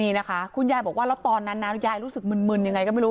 นี่นะคะคุณยายบอกว่าแล้วตอนนั้นนะยายรู้สึกมึนยังไงก็ไม่รู้